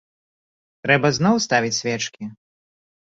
Трэба зноў ставіць свечкі?